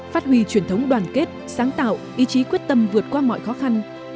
phát huy truyền thống đoàn kết sáng tạo ý chí quyết tâm vượt qua mọi khó khăn